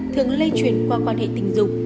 thường lê truyền qua quan hệ tình dục